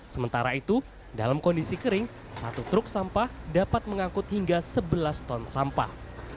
sementara itu dalam kondisi kering satu truk sampah dapat mengangkut hingga sebelas ton sampah